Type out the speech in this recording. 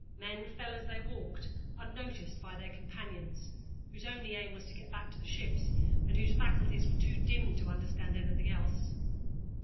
Men fell as they walked, unnoticed by their companions, whose only aim was to get back to the ships, and whose faculties were too dimmed to understand anything else.